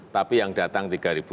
tapi yang datang tiga ribu lima ratus